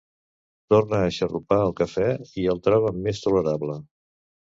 Torna a xarrupar el cafè i el troba més tolerable.